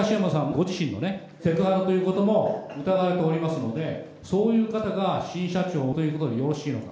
ご自身のセクハラということも疑われておりますので、そういう方が新社長ということでよろしいのか。